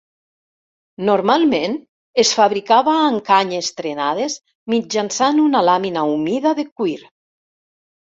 Normalment, es fabricava amb canyes trenades mitjançant una làmina humida de cuir.